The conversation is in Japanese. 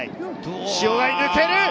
塩貝抜ける！